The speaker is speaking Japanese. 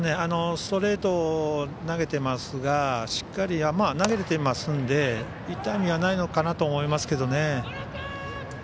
ストレートを投げていますがしっかり投げれていますので痛みはないのかなと思いますけど。